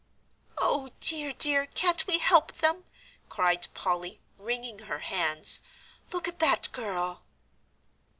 "O dear, dear, can't we help them?" cried Polly, wringing her hands, "Look at that girl!"